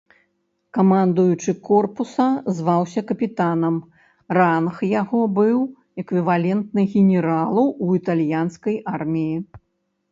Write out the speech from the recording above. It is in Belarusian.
Камандуючы корпуса зваўся капітанам, ранг якога быў эквівалентны генералу ў італьянскай арміі.